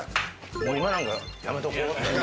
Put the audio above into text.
もう今なんかやめとこうって。